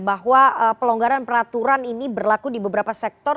bahwa pelonggaran peraturan ini berlaku di beberapa sektor